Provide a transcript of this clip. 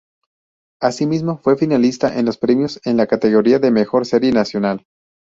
Asimismo fue finalista en los premios en la categoría de mejor serie nacional.